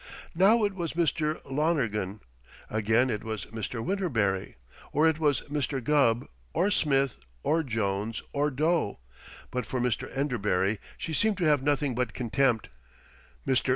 Now it was Mr. Lonergan; again it was Mr. Winterberry or it was Mr. Gubb, or Smith, or Jones, or Doe; but for Mr. Enderbury she seemed to have nothing but contempt. Mr.